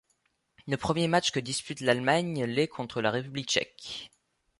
Le premier match que dispute l'Espagne l'est contre la République tchèque.